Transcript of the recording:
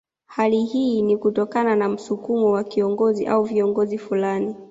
Hali hii ni kutokana na msukumo wa kiongozi au viongozi fulani